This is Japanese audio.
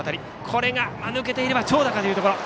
これが抜けていれば長打かというところ。